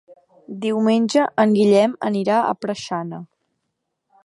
Diumenge en Guillem anirà a Preixana.